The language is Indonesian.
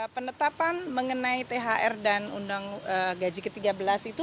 penetapan mengenai thr dan undang gaji ke tiga belas itu